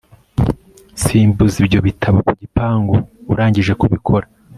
simbuza ibyo bitabo ku gipangu urangije kubikora